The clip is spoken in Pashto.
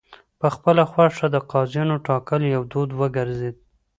په خپله خوښه د قاضیانو ټاکل یو دود وګرځېد.